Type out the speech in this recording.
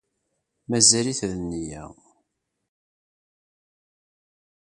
Mazal-it d nniya